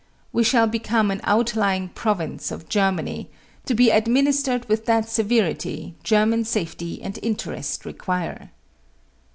We shall become an outlying province of Germany, to be administered with that severity German safety and interest require.